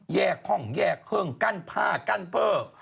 แยกห้องแยกเครื่องกั้นผ้ากั้นเพ้อ